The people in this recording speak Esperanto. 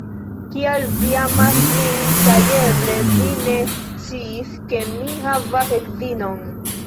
Kial vi amas min kaj eble vi ne sciis ke mi havas edzinon